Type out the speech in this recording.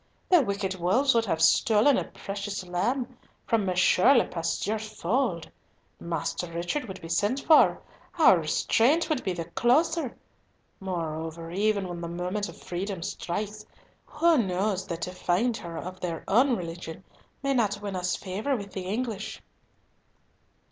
The wicked wolves would have stolen a precious lamb from M. le Pasteur's fold! Master Richard would be sent for! Our restraint would be the closer! Moreover, even when the moment of freedom strikes, who knows that to find her of their own religion may not win us favour with the English?"